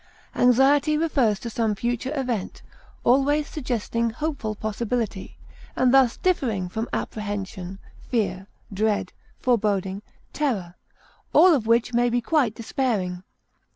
Anxiety refers to some future event, always suggesting hopeful possibility, and thus differing from apprehension, fear, dread, foreboding, terror, all of which may be quite despairing.